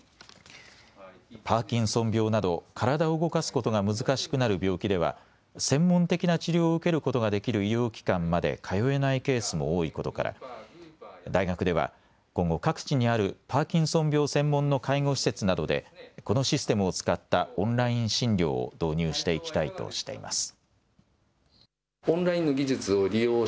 パーキンソン病など体を動かすことが難しくなる病気では専門的な治療を受けることができる医療機関まで通えないケースも多いことから大学では今後、各地にあるパーキンソン病専門の介護施設などで、このシステムを使ったオンライン診療を導入していきたいとしています。